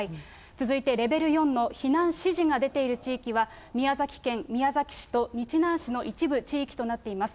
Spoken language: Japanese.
続いてレベル４の避難指示が出ている地域は、宮崎県宮崎市と日南市の一部地域となっています。